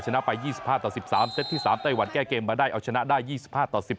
ชนะไป๒๕ต่อ๑๓เซตที่๓ไต้หวันแก้เกมมาได้เอาชนะได้๒๕ต่อ๑๐